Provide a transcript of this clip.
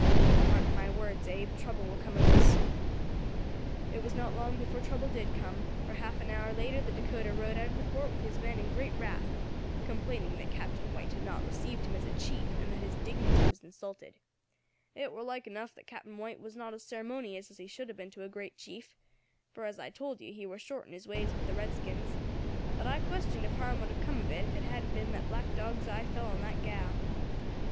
You mark my words, Abe, trouble will come of this.' "It was not long before trouble did come, for half an hour later the Dacota rode out of the fort with his men in great wrath, complaining that Captain White had not received him as a chief, and that his dignity was insulted. It war like enough that Captain White was not as ceremonious as he should have been to a great chief for, as I told you, he war short in his ways with the redskins but I question if harm would have come of it if it hadn't been that Black Dog's eye fell on that gal.